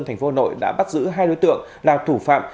thành phố hà nội đã bắt giữ hai đối tượng là thủ phạm